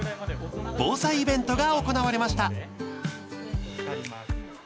防災イベントが行われました。